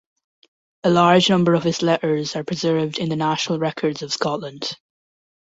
A large number of his letters are preserved in the National Records of Scotland.